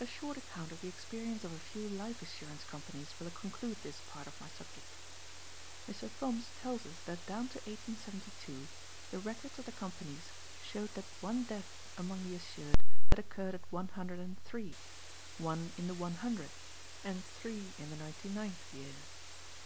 A short account of the experience of a few life assurance companies will conclude this part of my subject. Mr. Thoms tells us that down to 1872 the records of the companies showed that one death among the assured had occurred at one hundred and three, one in the one hundredth, and three in the ninety ninth year.